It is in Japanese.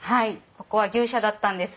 ここは牛舎だったんです。